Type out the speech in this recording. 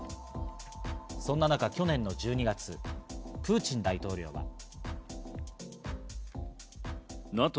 そんな中、去年の１２月プーチン大統領は。